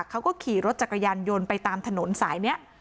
เขาก็ขี่รถจักรยานยนต์ไปตามถนนสายนี้